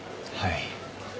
はい。